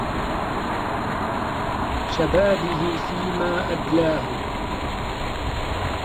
شَبَابِهِ فِيمَا أَبْلَاهُ